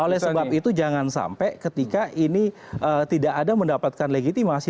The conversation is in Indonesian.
oleh sebab itu jangan sampai ketika ini tidak ada mendapatkan legitimasi